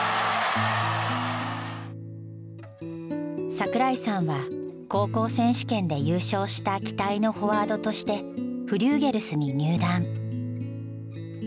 桜井さんは高校選手権で優勝した期待のフォワードとしてフリューゲルスに入団。